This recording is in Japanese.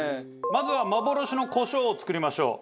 まずは幻のコショウを作りましょう。